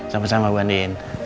sama sama bu andien